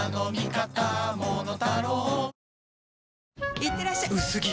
いってらっしゃ薄着！